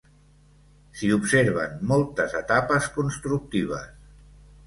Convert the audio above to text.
S'hi observen moltes etapes constructives.